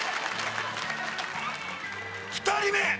２人目！